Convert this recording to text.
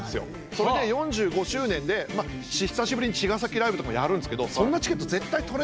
それで４５周年で久しぶりに茅ヶ崎ライブとかもやるんですけどそんなチケット絶対取れないじゃない。